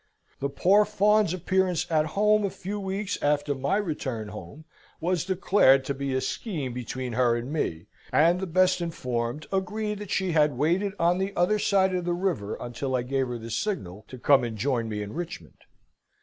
The poor Fawn's appearance at home a few weeks after my return home, was declared to be a scheme between her and me; and the best informed agreed that she had waited on the other side of the river until I gave her the signal to come and join me in Richmond.